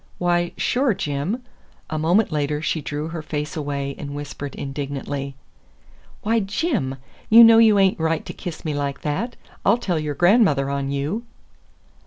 "Why, sure, Jim." A moment later she drew her face away and whispered indignantly, "Why, Jim! You know you ain't right to kiss me like that. I'll tell your grandmother on you!"